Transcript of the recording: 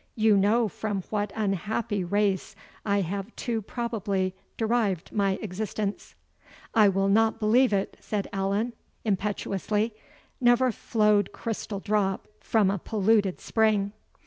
You know from what unhappy race I have too probably derived my existence." "I will not believe it," said Allan, impetuously; "never flowed crystal drop from a polluted spring."